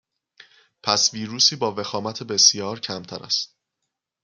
پس ویروسی با وخامت بسیار کمتر است